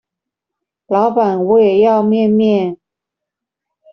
老闆我也要麵麵